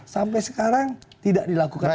sampai sekarang tidak dilakukan